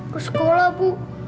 ke sekolah bu